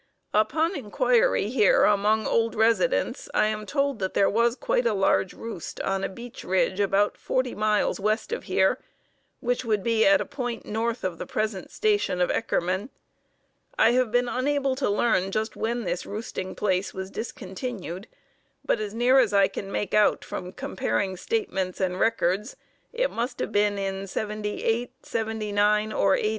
Upon inquiry here among old residents, I am told that there was quite a large roost on a beech ridge about forty miles west of here, which would be at a point north of the present station of Eckerman. I have been unable to learn just when this roosting place was discontinued, but as near as I can make out from comparing statements and records, it must have been in '78, '79, or '80.